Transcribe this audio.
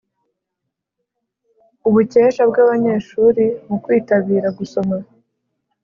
ubukesha bw’abanyeshuri mu kwitabira gusoma